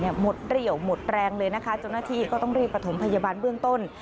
หมดเรี่ยวหมดแรงเลยนะคะเจ้าหน้าที่ก็ต้องรีบประถมพยาบาลเบื้องต้น